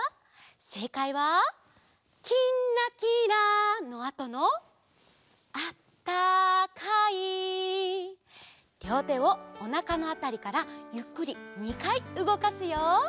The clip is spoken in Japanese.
せいかいは「きんらきら」のあとの「あったかい」りょうてをおなかのあたりからゆっくり２かいうごかすよ。